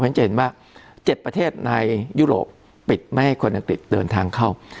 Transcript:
จะเห็นว่า๗ประเทศในยุโรปปิดไม่ให้คนอังกฤษเดินทางเข้า